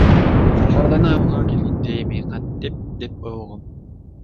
Шаардан айылга келгенде эми кантем деп ойлогом.